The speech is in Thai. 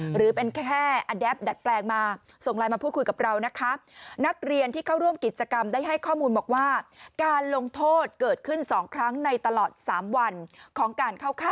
หรือเป็นแค่แอดับต์ดัดแปลงมา